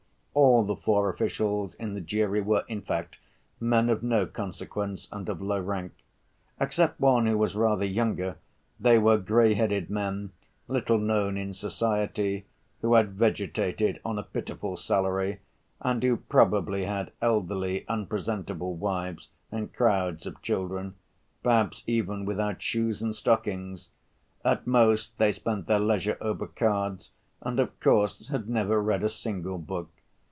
All the four officials in the jury were, in fact, men of no consequence and of low rank. Except one who was rather younger, they were gray‐headed men, little known in society, who had vegetated on a pitiful salary, and who probably had elderly, unpresentable wives and crowds of children, perhaps even without shoes and stockings. At most, they spent their leisure over cards and, of course, had never read a single book.